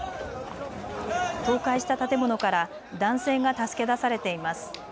倒壊した建物から男性が助け出されています。